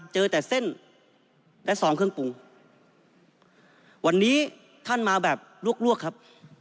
เจอแต่เส้นและซองเครื่องปรุงวันนี้ท่านมาแบบลวกลวกครับ